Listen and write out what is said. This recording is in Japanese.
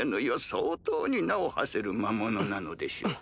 相当に名をはせる魔物なのでしょう？